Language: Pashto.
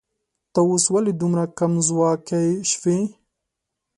ته اوس ولې دومره کمځواکی شوې